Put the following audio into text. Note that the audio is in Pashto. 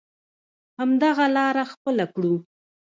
همدغه لاره خپله کړو.